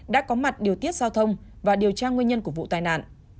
đã có mặt điều tiết giao thông và điều tra nguyên nhân của vụ tai nạn